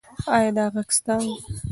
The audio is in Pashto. ایا دا غږ ستا و؟